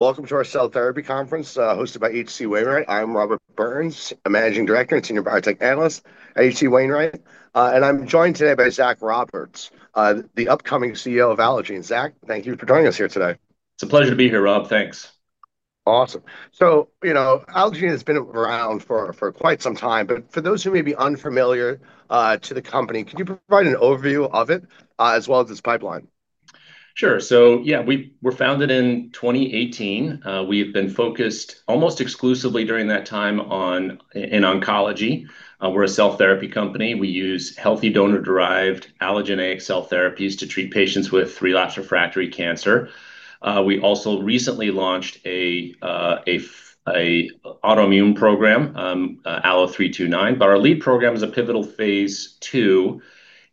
Welcome to our cell therapy conference, hosted by H.C. Wainwright. I'm Robert Burns, a managing director and senior biotech analyst at H.C. Wainwright. I'm joined today by Zach Roberts, the upcoming CEO of Allogene. Zach, thank you for joining us here today. It's a pleasure to be here, Rob. Thanks. Awesome. Allogene has been around for quite some time. For those who may be unfamiliar to the company, could you provide an overview of it, as well as its pipeline? Sure. Yeah, we were founded in 2018. We've been focused almost exclusively during that time in oncology. We're a cell therapy company. We use healthy donor-derived allogeneic cell therapies to treat patients with relapsed/refractory cancer. We also recently launched an autoimmune program, ALLO-329. Our lead program is a pivotal phase II in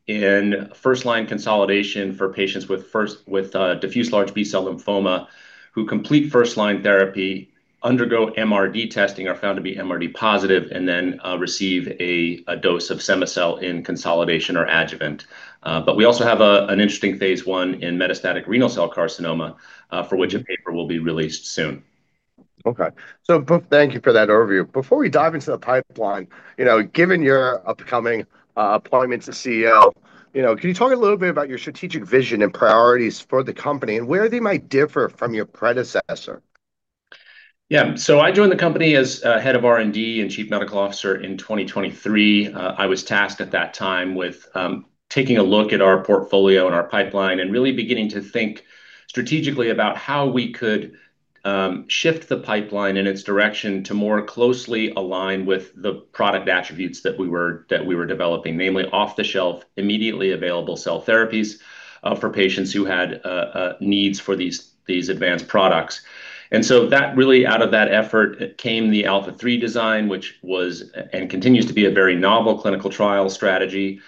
first-line consolidation for patients with diffuse large B-cell lymphoma who complete first-line therapy, undergo MRD testing, are found to be MRD positive, and then receive a dose of cema-cel in consolidation or adjuvant. We also have an interesting phase I in metastatic renal cell carcinoma, for which a paper will be released soon. Okay. Thank you for that overview. Before we dive into the pipeline, given your upcoming appointment to CEO, can you talk a little bit about your strategic vision and priorities for the company, and where they might differ from your predecessor? Yeah. I joined the company as head of R&D and chief medical officer in 2023. I was tasked at that time with taking a look at our portfolio and our pipeline and really beginning to think strategically about how we could shift the pipeline in its direction to more closely align with the product attributes that we were developing, namely off-the-shelf, immediately available cell therapies for patients who had needs for these advanced products. Really out of that effort came the ALPHA3 design, which was and continues to be a very novel clinical trial strategy,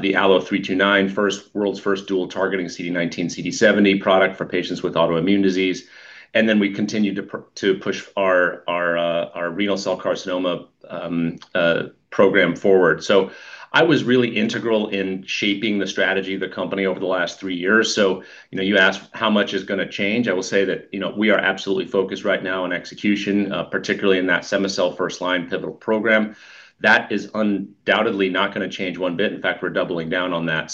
the ALLO-329, world's first dual targeting CD19, CD70 product for patients with autoimmune disease. We continued to push our renal cell carcinoma program forward. You asked how much is going to change. I will say that we are absolutely focused right now on execution, particularly in that cema-cel first-line pivotal program. That is undoubtedly not going to change one bit. In fact, we're doubling down on that.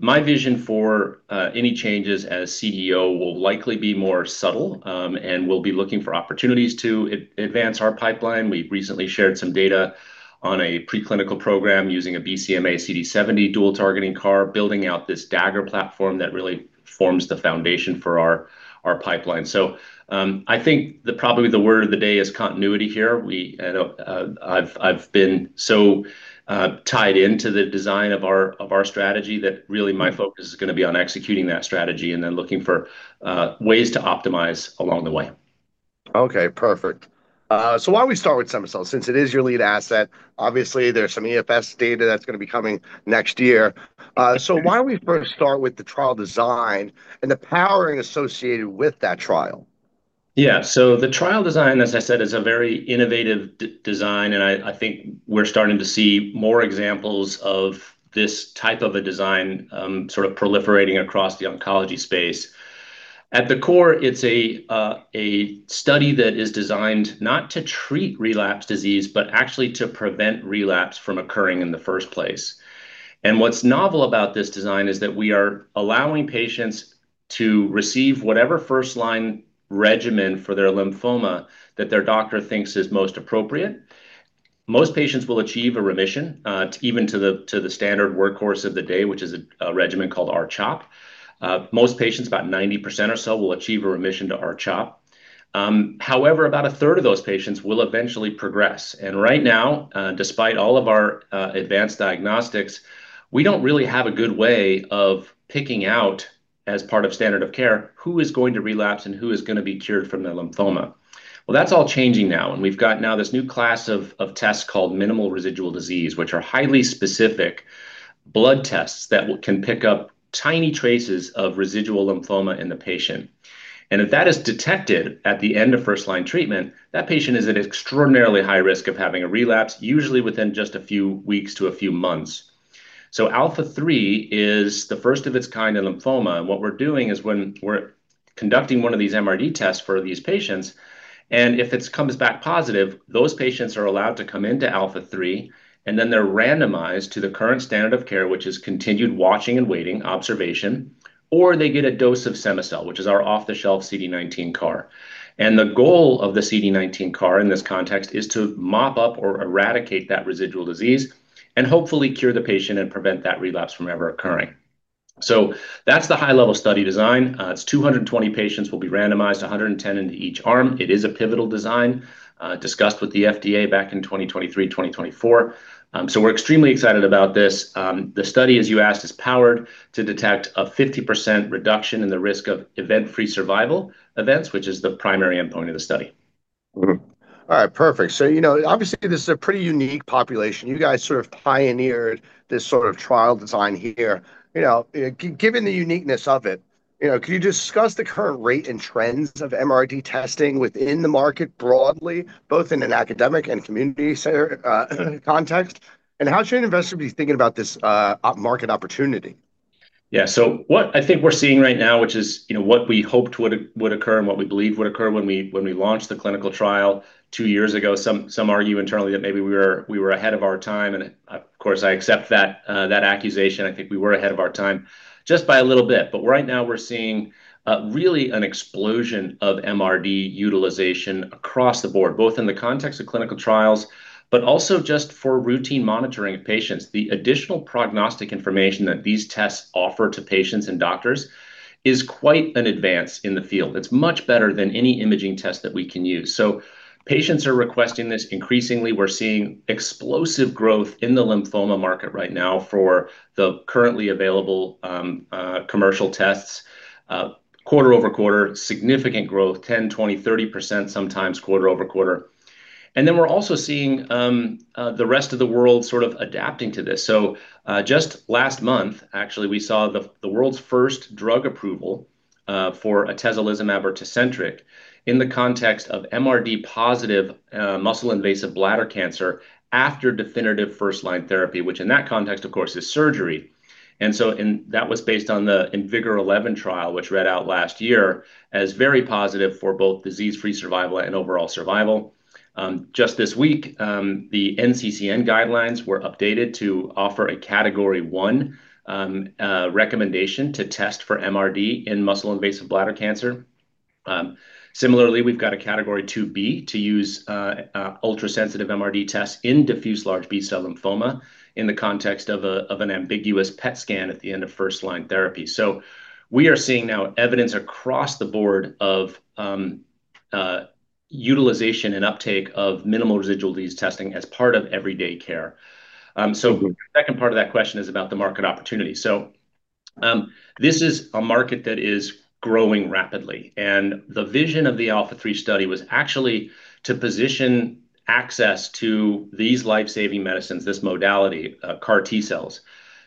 My vision for any changes as CEO will likely be more subtle, and we'll be looking for opportunities to advance our pipeline. We've recently shared some data on a preclinical program using a BCMA CD70 dual targeting CAR, building out this Dagger platform that really forms the foundation for our pipeline. I think probably the word of the day is continuity here. I've been so tied into the design of our strategy that really my focus is going to be on executing that strategy and then looking for ways to optimize along the way. Okay, perfect. Why don't we start with cema-cel, since it is your lead asset. Obviously, there's some EFS data that's going to be coming next year. Why don't we first start with the trial design and the powering associated with that trial? Yeah. The trial design, as I said, is a very innovative design, and I think we're starting to see more examples of this type of a design sort of proliferating across the oncology space. At the core, it's a study that is designed not to treat relapse disease, but actually to prevent relapse from occurring in the first place. What's novel about this design is that we are allowing patients to receive whatever first-line regimen for their lymphoma that their doctor thinks is most appropriate. Most patients will achieve a remission, even to the standard workhorse of the day, which is a regimen called R-CHOP. Most patients, about 90% or so, will achieve a remission to R-CHOP. However, about a third of those patients will eventually progress. Right now, despite all of our advanced diagnostics, we don't really have a good way of picking out as part of standard of care who is going to relapse and who is going to be cured from their lymphoma. Well, that's all changing now, we've got now this new class of tests called minimal residual disease, which are highly specific blood tests that can pick up tiny traces of residual lymphoma in the patient. If that is detected at the end of first-line treatment, that patient is at extraordinarily high risk of having a relapse, usually within just a few weeks to a few months. ALPHA3 is the first of its kind in lymphoma, what we're doing is when we're conducting one of these MRD tests for these patients, if it comes back positive, those patients are allowed to come into ALPHA3, then they're randomized to the current standard of care, which is continued watching and waiting, observation. They get a dose of cema-cel, which is our off-the-shelf CD19 CAR. The goal of the CD19 CAR in this context is to mop up or eradicate that residual disease and hopefully cure the patient and prevent that relapse from ever occurring. That's the high-level study design. 220 patients will be randomized, 110 into each arm. It is a pivotal design, discussed with the FDA back in 2023, 2024. We're extremely excited about this. The study, as you asked, is powered to detect a 50% reduction in the risk of event-free survival events, which is the primary endpoint of the study. All right, perfect. Obviously this is a pretty unique population. You guys sort of pioneered this sort of trial design here. Given the uniqueness of it, can you discuss the current rate and trends of MRD testing within the market broadly, both in an academic and community setting context? How should an investor be thinking about this market opportunity? Yeah. What I think we're seeing right now, which is what we hoped would occur and what we believed would occur when we launched the clinical trial two years ago. Some argue internally that maybe we were ahead of our time, and of course, I accept that accusation. I think we were ahead of our time just by a little bit. Right now we're seeing really an explosion of MRD utilization across the board, both in the context of clinical trials, but also just for routine monitoring of patients. The additional prognostic information that these tests offer to patients and doctors is quite an advance in the field. It's much better than any imaging test that we can use. Patients are requesting this increasingly. We're seeing explosive growth in the lymphoma market right now for the currently available commercial tests. Quarter-over-quarter, significant growth, 10%, 20%, 30% sometimes quarter-over-quarter. We're also seeing the rest of the world sort of adapting to this. Just last month, actually, we saw the world's first drug approval for atezolizumab or TECENTRIQ in the context of MRD positive muscle-invasive bladder cancer after definitive first-line therapy, which in that context, of course, is surgery. That was based on the IMvigor011 trial, which read out last year as very positive for both disease-free survival and overall survival. Just this week, the NCCN guidelines were updated to offer a Category 1 recommendation to test for MRD in muscle-invasive bladder cancer. Similarly, we've got a Category 2B to use ultra-sensitive MRD tests in diffuse large B-cell lymphoma in the context of an ambiguous PET scan at the end of first-line therapy. We are seeing now evidence across the board of utilization and uptake of minimal residual disease testing as part of everyday care. The second part of that question is about the market opportunity. This is a market that is growing rapidly, and the vision of the ALPHA3 study was actually to position access to these life-saving medicines, this modality, CAR T cells,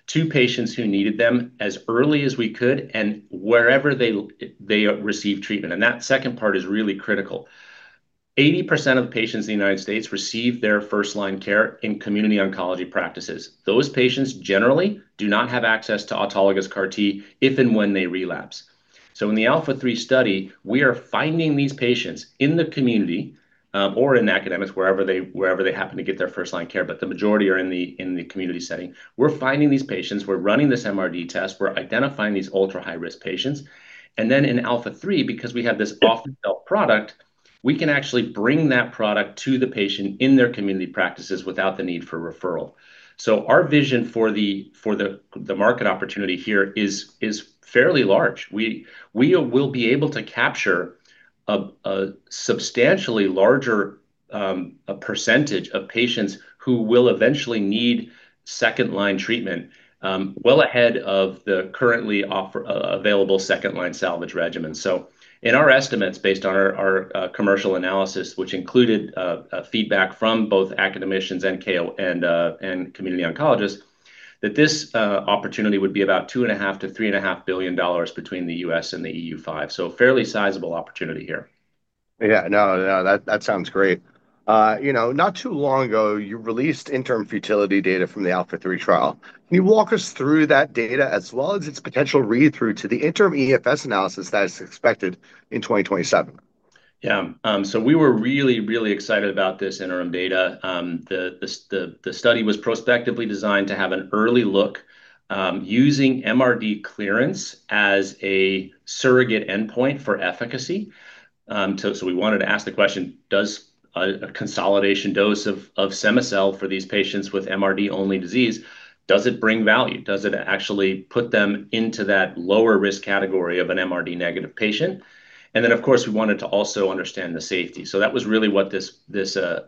to patients who needed them as early as we could and wherever they received treatment, and that second part is really critical. 80% of patients in the U.S. receive their first-line care in community oncology practices. Those patients generally do not have access to autologous CAR T if and when they relapse. In the ALPHA3 study, we are finding these patients in the community or in academics, wherever they happen to get their first-line care, but the majority are in the community setting. We're finding these patients, we're running this MRD test, we're identifying these ultra-high-risk patients, in ALPHA3 because we have this off-the-shelf product, we can actually bring that product to the patient in their community practices without the need for referral. Our vision for the market opportunity here is fairly large. We will be able to capture a substantially larger percentage of patients who will eventually need second-line treatment well ahead of the currently available second-line salvage regimens. In our estimates, based on our commercial analysis, which included feedback from both academicians and community oncologists, that this opportunity would be about $2.5 billion-$3.5 billion between the U.S. and the EU Five. A fairly sizable opportunity here. Yeah. No, that sounds great. Not too long ago, you released interim futility data from the ALPHA3 trial. Can you walk us through that data as well as its potential read-through to the interim EFS analysis that is expected in 2027? Yeah. We were really excited about this interim data. The study was prospectively designed to have an early look using MRD clearance as a surrogate endpoint for efficacy. We wanted to ask the question, does a consolidation dose of cema-cel for these patients with MRD-only disease, does it bring value? Does it actually put them into that lower risk category of an MRD negative patient? Of course, we wanted to also understand the safety. That was really what this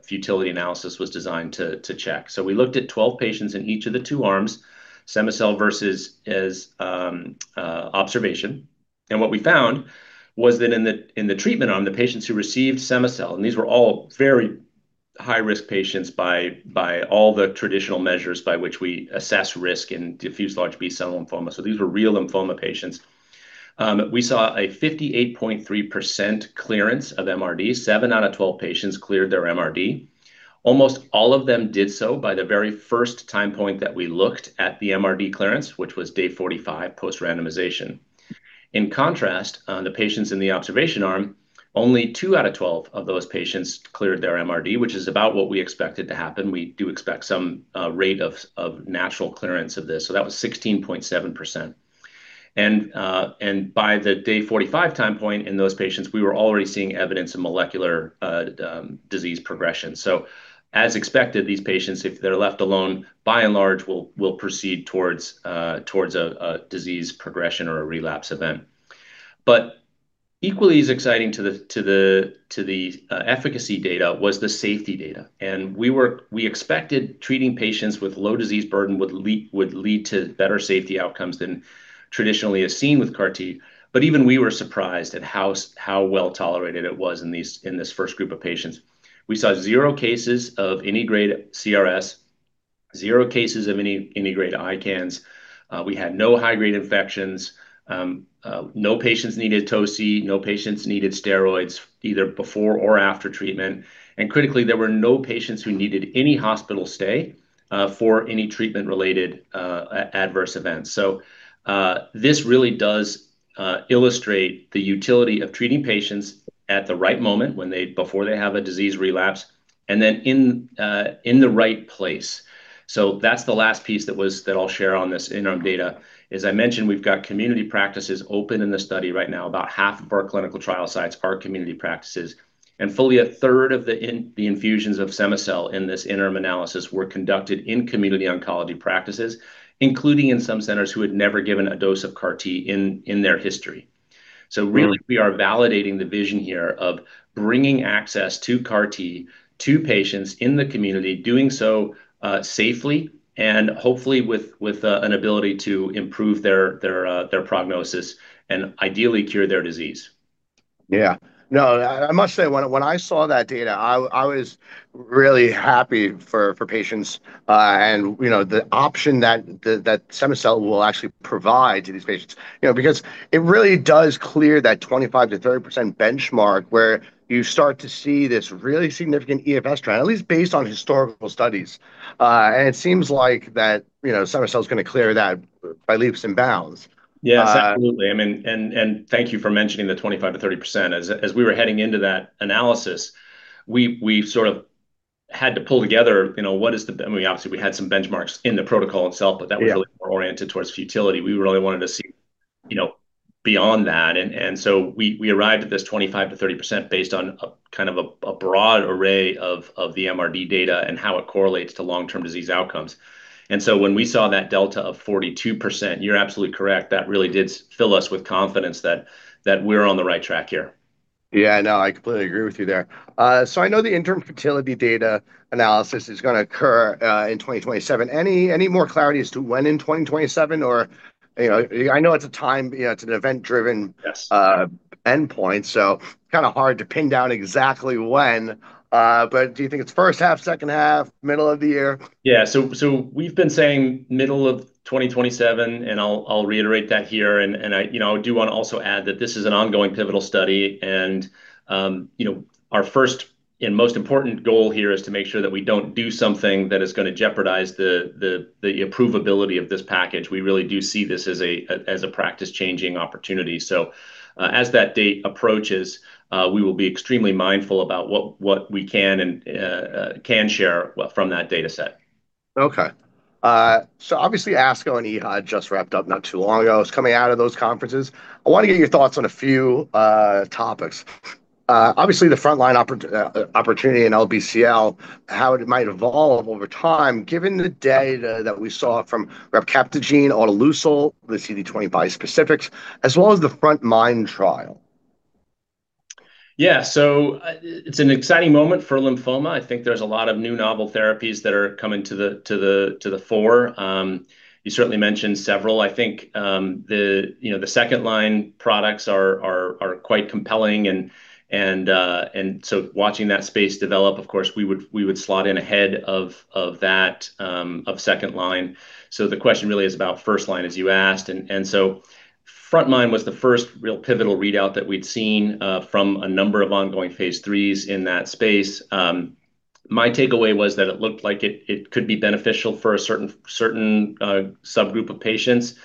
futility analysis was designed to check. We looked at 12 patients in each of the two arms, cema-cel versus observation. What we found was that in the treatment arm, the patients who received cema-cel, and these were all very high-risk patients by all the traditional measures by which we assess risk in diffuse large B-cell lymphoma. These were real lymphoma patients. We saw a 58.3% clearance of MRD. Seven out of 12 patients cleared their MRD. Almost all of them did so by the very first time point that we looked at the MRD clearance, which was day 45 post-randomization. In contrast, the patients in the observation arm, only two out of 12 of those patients cleared their MRD, which is about what we expected to happen. We do expect some rate of natural clearance of this. That was 16.7%. By the day 45 time point in those patients, we were already seeing evidence of molecular disease progression. As expected, these patients, if they're left alone, by and large, will proceed towards a disease progression or a relapse event. Equally as exciting to the efficacy data was the safety data. We expected treating patients with low disease burden would lead to better safety outcomes than traditionally as seen with CAR T. Even we were surprised at how well-tolerated it was in this first group of patients. We saw zero cases of any grade CRS, zero cases of any grade ICANS. We had no high-grade infections. No patients needed toci. No patients needed steroids either before or after treatment. Critically, there were no patients who needed any hospital stay for any treatment-related adverse events. This really does illustrate the utility of treating patients at the right moment, before they have a disease relapse, and then in the right place. That's the last piece that I'll share on this interim data. As I mentioned, we've got community practices open in the study right now. About half of our clinical trial sites are community practices. Fully a third of the infusions of cema-cel in this interim analysis were conducted in community oncology practices, including in some centers who had never given a dose of CAR T in their history. We are validating the vision here of bringing access to CAR T to patients in the community, doing so safely, and hopefully with an ability to improve their prognosis, and ideally cure their disease. No, I must say, when I saw that data, I was really happy for patients. The option that cema-cel will actually provide to these patients. It really does clear that 25%-30% benchmark where you start to see this really significant EFS trend, at least based on historical studies. It seems like that cema-cel is going to clear that by leaps and bounds. Yes, absolutely. Thank you for mentioning the 25%-30%. As we were heading into that analysis, we sort of had to pull together what is the I mean, obviously, we had some benchmarks in the protocol itself. Yeah. That was really more oriented towards futility. We really wanted to see beyond that. We arrived at this 25%-30% based on a broad array of the MRD data and how it correlates to long-term disease outcomes. When we saw that delta of 42%, you're absolutely correct, that really did fill us with confidence that we're on the right track here. Yeah, no, I completely agree with you there. I know the interim futility data analysis is going to occur in 2027. Any more clarity as to when in 2027? I know it's an event-driven. Yes. Endpoint, so kind of hard to pin down exactly when. Do you think it's first half, second half, middle of the year? Yeah. We've been saying middle of 2027, I'll reiterate that here. I do want to also add that this is an ongoing pivotal study, our first and most important goal here is to make sure that we don't do something that is going to jeopardize the approvability of this package. We really do see this as a practice-changing opportunity. As that date approaches, we will be extremely mindful about what we can share from that data set. Okay. Obviously, ASCO and EHA just wrapped up not too long ago. Coming out of those conferences, I want to get your thoughts on a few topics. Obviously, the frontline opportunity in LBCL, how it might evolve over time, given the data that we saw from rapcabtagene autoleucel, the CD25 specifics, as well as the Frontline trial. Yeah. It's an exciting moment for lymphoma. I think there's a lot of new novel therapies that are coming to the fore. You certainly mentioned several. I think the second-line products are quite compelling. Watching that space develop, of course, we would slot in ahead of second line. The question really is about first line, as you asked. Frontline was the first real pivotal readout that we'd seen from a number of ongoing phase III's in that space. My takeaway was that it looked like it could be beneficial for a certain subgroup of patients.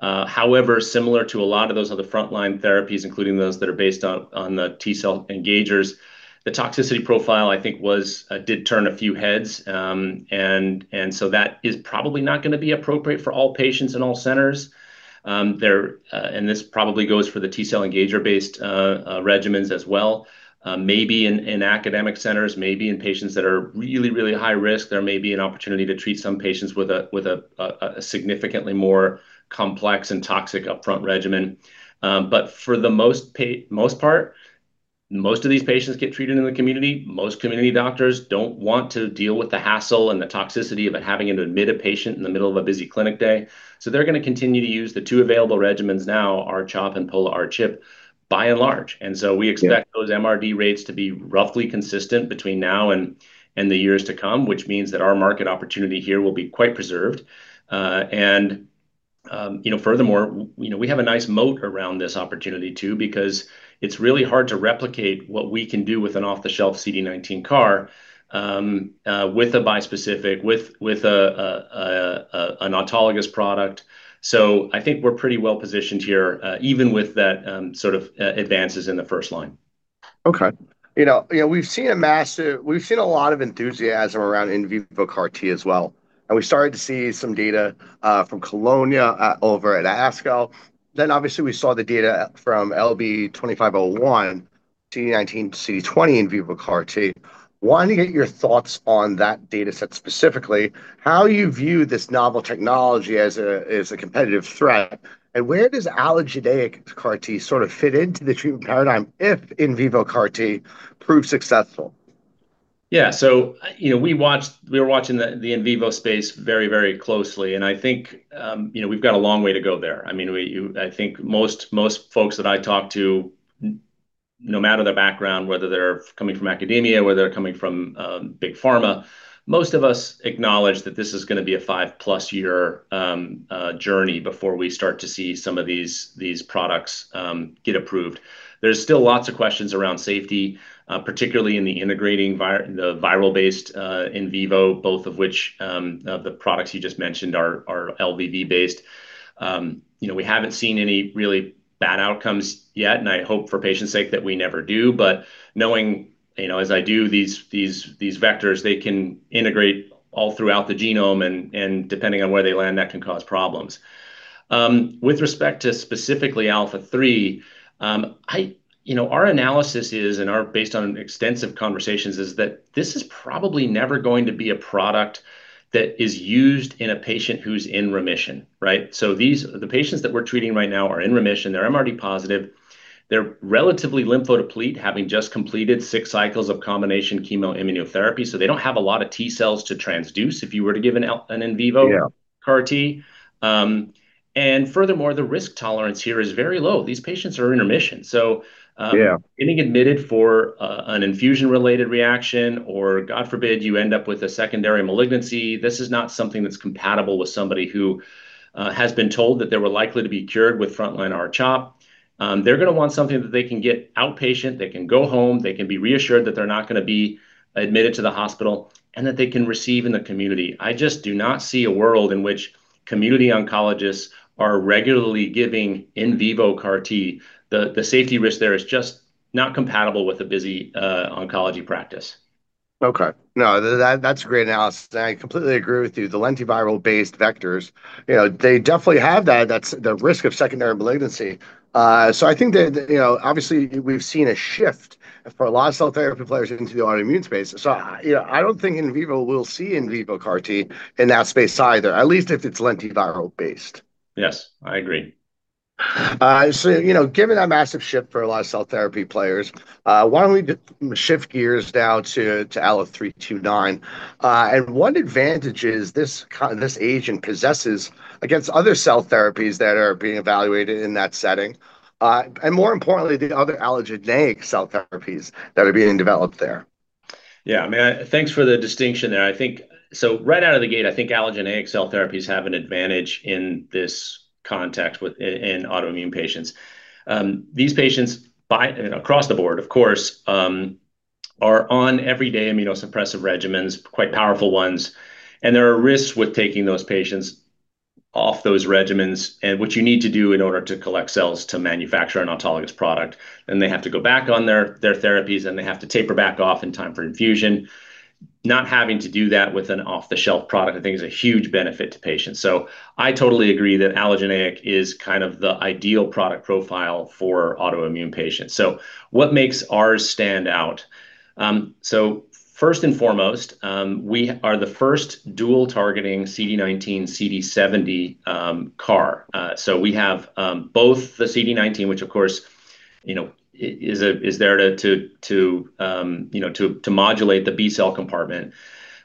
However, similar to a lot of those other frontline therapies, including those that are based on the T-cell engagers, the toxicity profile, I think, did turn a few heads. That is probably not going to be appropriate for all patients in all centers. This probably goes for the T-cell engager-based regimens as well. Maybe in academic centers, maybe in patients that are really, really high risk, there may be an opportunity to treat some patients with a significantly more complex and toxic upfront regimen. For the most part, most of these patients get treated in the community. Most community doctors don't want to deal with the hassle and the toxicity of having to admit a patient in the middle of a busy clinic day. They're going to continue to use the two available regimens now, R-CHOP and Pola-R-CHP, by and large. We expect. Yeah. those MRD rates to be roughly consistent between now and the years to come, which means that our market opportunity here will be quite preserved. Furthermore, we have a nice moat around this opportunity, too, because it's really hard to replicate what we can do with an off-the-shelf CD19 CAR with a bispecific, with an autologous product. I think we're pretty well-positioned here, even with that sort of advances in the first line. Okay. We've seen a lot of enthusiasm around in vivo CAR T as well, and we started to see some data from Kelonia over at ASCO. Obviously we saw the data from LB2501, CD19, CD20 in vivo CAR T. Wanting to get your thoughts on that data set specifically, how you view this novel technology as a competitive threat, and where does allogeneic CAR T sort of fit into the treatment paradigm if in vivo CAR T proves successful? Yeah. We were watching the in vivo space very closely, and I think we've got a long way to go there. I think most folks that I talk to, no matter their background, whether they're coming from academia, whether they're coming from big pharma, most of us acknowledge that this is going to be a five-plus year journey before we start to see some of these products get approved. There's still lots of questions around safety, particularly in the viral-based in vivo, both of which of the products you just mentioned are LVV based. We haven't seen any really bad outcomes yet, and I hope for patients' sake that we never do. Knowing, as I do, these vectors, they can integrate all throughout the genome, and depending on where they land, that can cause problems. With respect to specifically ALPHA3, our analysis is, and based on extensive conversations, is that this is probably never going to be a product that is used in a patient who's in remission. Right? The patients that we're treating right now are in remission. They're MRD positive. They're relatively lymphodeplete, having just completed 6 cycles of combination chemoimmunotherapy, so they don't have a lot of T cells to transduce if you were to give an in vivo. Yeah. CAR T. Furthermore, the risk tolerance here is very low. These patients are in remission. Yeah. Getting admitted for an infusion-related reaction, or God forbid, you end up with a secondary malignancy, this is not something that's compatible with somebody who has been told that they were likely to be cured with frontline R-CHOP. They're going to want something that they can get outpatient, they can go home, they can be reassured that they're not going to be admitted to the hospital, and that they can receive in the community. I just do not see a world in which community oncologists are regularly giving in vivo CAR T. The safety risk there is just not compatible with a busy oncology practice. Okay. No, that's a great analysis, and I completely agree with you. The lentiviral-based vectors, they definitely have that risk of secondary malignancy. I think that obviously we've seen a shift for a lot of cell therapy players into the autoimmune space. I don't think in vivo we'll see in vivo CAR T in that space either, at least if it's lentiviral-based. Yes, I agree. Given that massive shift for a lot of cell therapy players, why don't we shift gears now to ALLO-329, and what advantages this agent possesses against other cell therapies that are being evaluated in that setting, and more importantly, the other allogeneic cell therapies that are being developed there? Yeah, thanks for the distinction there. Right out of the gate, I think allogeneic cell therapies have an advantage in this context in autoimmune patients. These patients across the board, of course, are on everyday immunosuppressive regimens, quite powerful ones, and there are risks with taking those patients off those regimens, and what you need to do in order to collect cells to manufacture an autologous product. They have to go back on their therapies, and they have to taper back off in time for infusion. Not having to do that with an off-the-shelf product I think is a huge benefit to patients. I totally agree that allogeneic is the ideal product profile for autoimmune patients. What makes ours stand out? First and foremost, we are the first dual-targeting CD19/CD70 CAR. We have both the CD19, which of course, is there to modulate the B-cell compartment,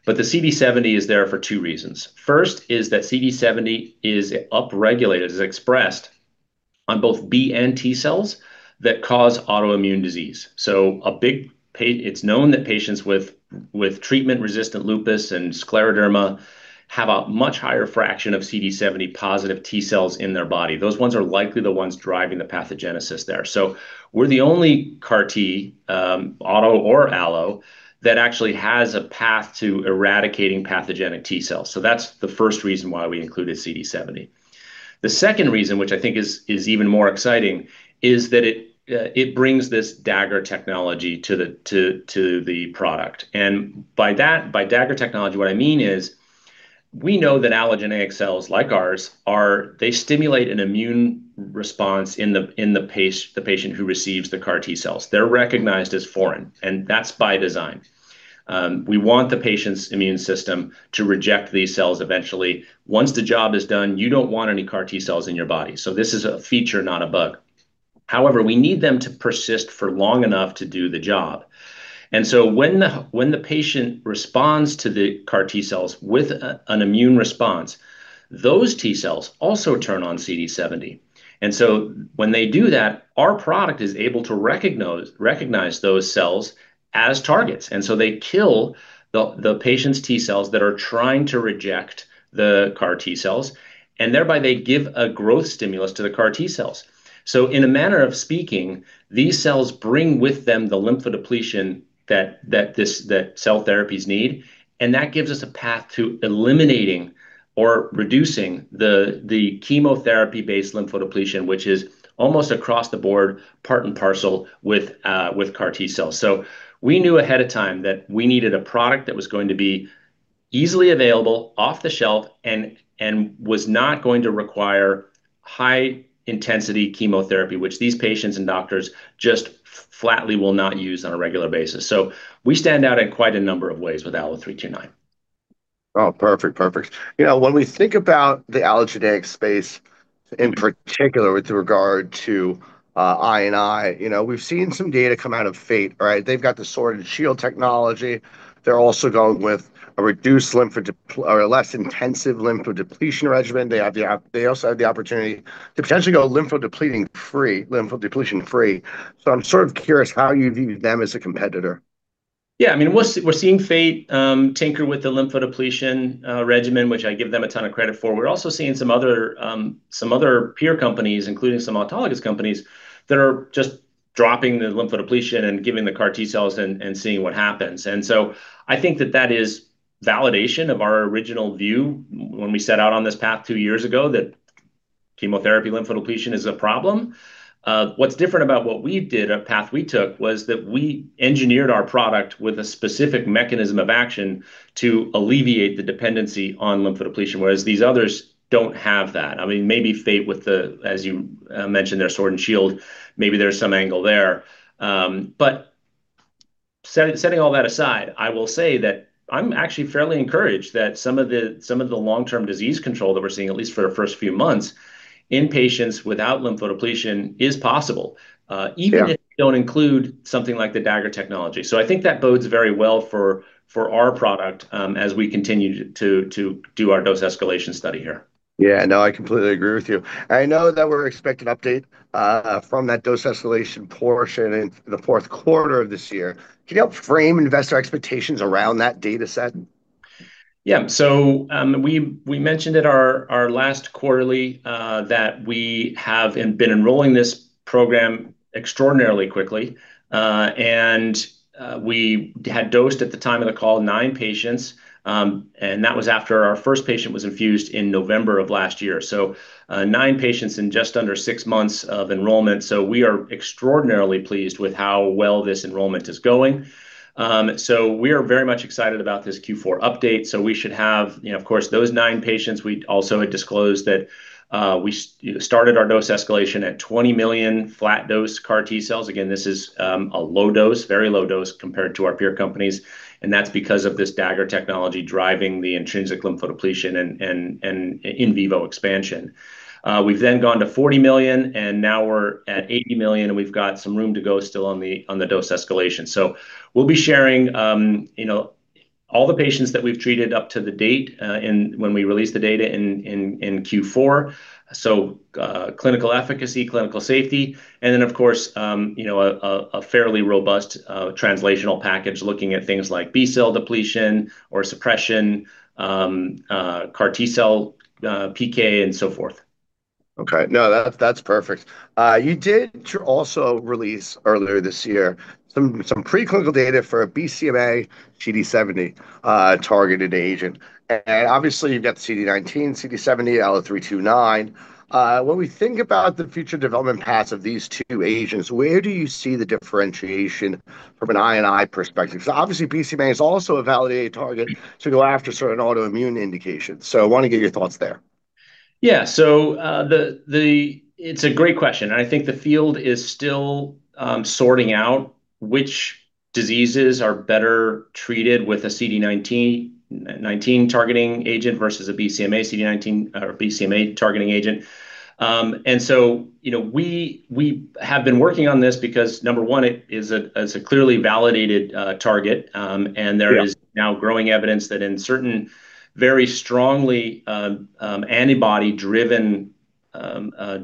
but the CD70 is there for two reasons. First is that CD70 is upregulated, is expressed on both B and T cells that cause autoimmune disease. It's known that patients with treatment-resistant lupus and scleroderma have a much higher fraction of CD70-positive T cells in their body. Those ones are likely the ones driving the pathogenesis there. We're the only CAR T, auto or alo, that actually has a path to eradicating pathogenic T cells. That's the first reason why we included CD70. The second reason, which I think is even more exciting, is that it brings this Dagger technology to the product. By Dagger technology, what I mean is, we know that allogeneic cells like ours stimulate an immune response in the patient who receives the CAR T cells. They're recognized as foreign, and that's by design. We want the patient's immune system to reject these cells eventually. Once the job is done, you don't want any CAR T cells in your body. This is a feature, not a bug. However, we need them to persist for long enough to do the job. When the patient responds to the CAR T cells with an immune response, those T cells also turn on CD70. When they do that, our product is able to recognize those cells as targets. They kill the patient's T cells that are trying to reject the CAR T cells, and thereby they give a growth stimulus to the CAR T cells. In a manner of speaking, these cells bring with them the lymphodepletion that cell therapies need, that gives us a path to eliminating or reducing the chemotherapy-based lymphodepletion, which is almost across the board, part and parcel with CAR T cells. We knew ahead of time that we needed a product that was going to be easily available, off the shelf, and was not going to require high-intensity chemotherapy, which these patients and doctors just flatly will not use on a regular basis. We stand out in quite a number of ways with ALLO-329. Perfect. When we think about the allogeneic space, in particular with regard to I&I, we've seen some data come out of Fate, right? They've got the sword and shield technology. They're also going with a less intensive lymphodepletion regimen. They also have the opportunity to potentially go lymphodepletion free. I'm sort of curious how you view them as a competitor. We're seeing Fate tinker with the lymphodepletion regimen, which I give them a ton of credit for. We're also seeing some other peer companies, including some autologous companies, that are just dropping the lymphodepletion and giving the CAR T cells and seeing what happens. I think that that is validation of our original view when we set out on this path two years ago that chemotherapy lymphodepletion is a problem. What's different about what we did, a path we took, was that we engineered our product with a specific mechanism of action to alleviate the dependency on lymphodepletion, whereas these others don't have that. Maybe Fate, as you mentioned, their sword and shield, maybe there's some angle there. Setting all that aside, I will say that I'm actually fairly encouraged that some of the long-term disease control that we're seeing, at least for the first few months, in patients without lymphodepletion is possible. Yeah. Even if you don't include something like the Dagger technology. I think that bodes very well for our product as we continue to do our dose escalation study here. I completely agree with you. I know that we're expecting update from that dose escalation portion in the fourth quarter of this year. Can you help frame investor expectations around that data set? We mentioned at our last quarterly that we have been enrolling this program extraordinarily quickly. We had dosed, at the time of the call, nine patients, and that was after our first patient was infused in November of last year. Nine patients in just under six months of enrollment, we are extraordinarily pleased with how well this enrollment is going. We are very much excited about this Q4 update. We should have, of course, those nine patients. We also had disclosed that we started our dose escalation at 20 million flat dose CAR T cells. Again, this is a low dose, very low dose compared to our peer companies, and that's because of this Dagger technology driving the intrinsic lymphodepletion and in vivo expansion. We've gone to 40 million, now we're at 80 million, and we've got some room to go still on the dose escalation. We'll be sharing all the patients that we've treated up to the date when we release the data in Q4, clinical efficacy, clinical safety, and then of course, a fairly robust translational package, looking at things like B cell depletion or suppression, CAR T cell PK and so forth. Okay. No, that's perfect. You did also release earlier this year some preclinical data for a BCMA CD70 targeted agent. Obviously you've got CD19, CD70, ALLO329. When we think about the future development paths of these two agents, where do you see the differentiation from an I&I perspective? Obviously BCMA is also a validated target to go after certain autoimmune indications. I want to get your thoughts there. Yeah. It's a great question, I think the field is still sorting out which diseases are better treated with a CD19 targeting agent versus a BCMA CD19 or BCMA targeting agent. We have been working on this because number onee, it's a clearly validated target. Yeah. There is now growing evidence that in certain very strongly antibody-driven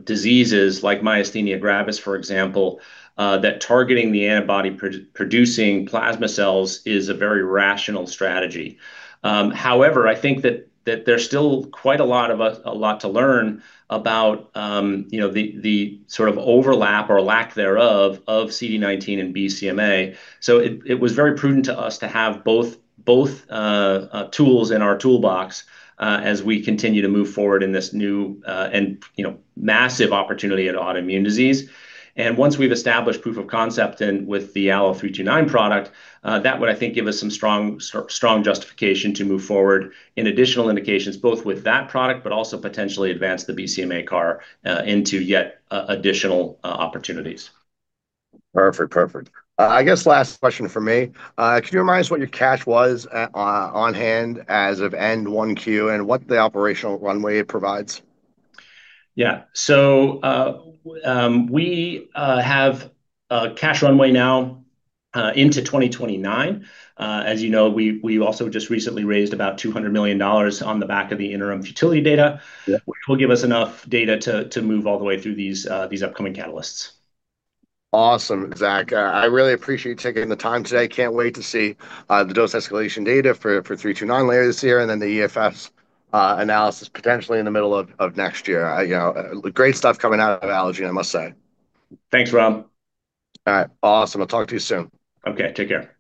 diseases like myasthenia gravis, for example, that targeting the antibody-producing plasma cells is a very rational strategy. However, I think that there's still quite a lot to learn about the overlap or lack thereof of CD19 and BCMA. It was very prudent to us to have both tools in our toolbox as we continue to move forward in this new and massive opportunity at autoimmune disease. Once we've established proof of concept with the LO329 product, that would, I think, give us some strong justification to move forward in additional indications, both with that product, but also potentially advance the BCMA CAR into yet additional opportunities. Perfect. I guess last question from me. Can you remind us what your cash was on hand as of end one Q, what the operational runway it provides? Yeah. We have a cash runway now into 2029. As you know, we also just recently raised about $200 million on the back of the interim futility data. Yeah. This will give us enough data to move all the way through these upcoming catalysts. Awesome, Zach. I really appreciate you taking the time today. Can't wait to see the dose escalation data for 329 later this year, and then the EFS analysis potentially in the middle of next year. Great stuff coming out of Allogene, I must say. Thanks, Rob. All right. Awesome. I'll talk to you soon. Okay. Take care.